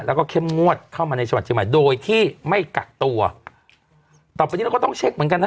แล้วก็เข้มงวดเข้ามาในจังหวัดเชียงใหม่โดยที่ไม่กักตัวต่อไปนี้เราก็ต้องเช็คเหมือนกันนะ